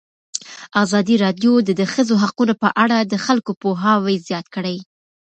ازادي راډیو د د ښځو حقونه په اړه د خلکو پوهاوی زیات کړی.